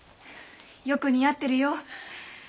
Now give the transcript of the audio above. よく似合ってるよ。